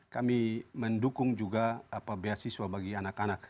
kami mendukung juga beasiswa bagi anak anak